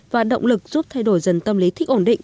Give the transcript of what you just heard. và động lực giúp thay đổi dần tâm lý thích ổn định